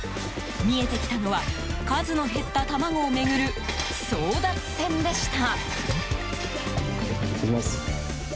見えてきたのは数の減った卵を巡る争奪戦でした。